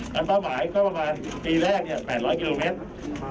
ต้องผ่านมาที่ประมาณปีแรก๘๐๐เกมครับ